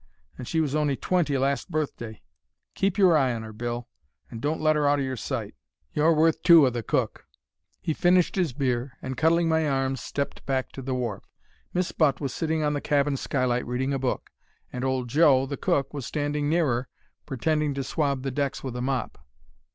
And she was on'y twenty last birthday. Keep your eye on 'er, Bill, and don't let 'er out of your sight. You're worth two o' the cook.' "He finished 'is beer, and, cuddling my arm, stepped back to the wharf. Miss Butt was sitting on the cabin skylight reading a book, and old Joe, the cook, was standing near 'er pretending to swab the decks with a mop.